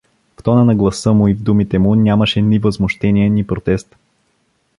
В тона на гласа му и в думите му нямаше ни възмущение, ни протест.